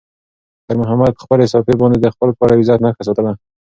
خیر محمد په خپلې صافې باندې د خپل کار او عزت نښه ساتله.